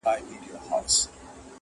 سوال یې وکړ له یو چا چي څه کیسه ده -